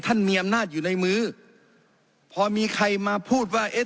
มีอำนาจอยู่ในมือพอมีใครมาพูดว่าเอ๊ะ